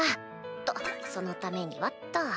っとそのためにはっと